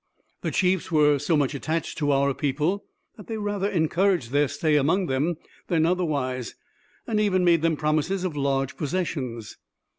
The chiefs were so much attached to our people, that they rather encouraged their stay among them than otherwise, and even made them promises of large possessions.